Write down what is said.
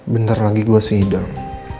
bentar lagi gue sehidang